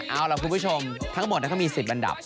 เอาล่ะคุณผู้ชมทั้งหมดเขามี๑๐อันดับ